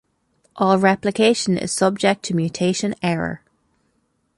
All replication is subject to mutation error.